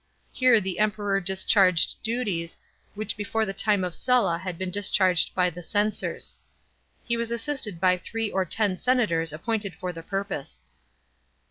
Here the Emperor discharged duties which before the time of Sulla had been discharged by the censors. He was assisted by three or ten senators appointed for the purpose.